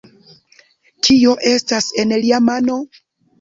Kio estas en lia mano?